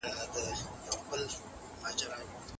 له خپلو زده کوونکو سره تل نرم او دوستانه چلند وکړئ.